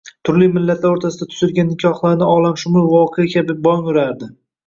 Turli millatlar o`rtasida tuzilgan nikohlarni olamshumul voqea kabi bong urardi